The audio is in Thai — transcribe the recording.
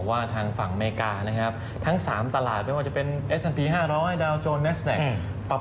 ไม่ได้เยอะมากนะเพราะว่าค่าเฉลี่ยอยู่ประมาณ๔๐๐๐๐ล้านนะครับ